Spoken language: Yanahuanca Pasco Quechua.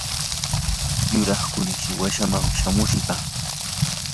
yuraq kunish wasiiman chamushqa.